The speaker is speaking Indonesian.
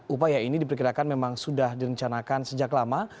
upaya ini diperkirakan memang sudah direncanakan sejak lama